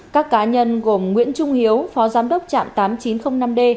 các cá nhân gồm nguyễn trung hiếu phó giám đốc trạm tám mươi chín